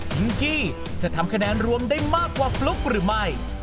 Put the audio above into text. งกี้จะทำคะแนนรวมได้มากกว่าฟลุ๊กหรือไม่